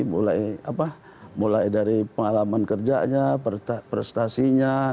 mulai dari pengalaman kerjanya prestasinya